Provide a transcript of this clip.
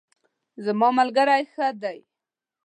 زما ملګری ښه ده